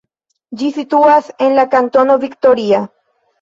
Ĝi situas en la kantono Victoria.